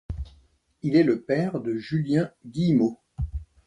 Il est le père de Julien Guillemot.